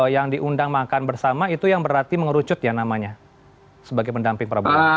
yang diundang makan bersama itu yang berarti mengerucut ya namanya sebagai pendamping prabowo